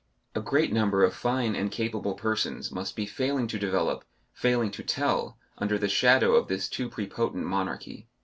A great number of fine and capable persons must be failing to develop, failing to tell, under the shadow of this too prepotent monarchy.